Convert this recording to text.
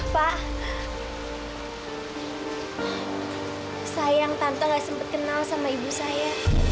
pak sayang tante nggak sempet kenal sama ibu saya